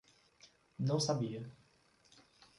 Não sabia.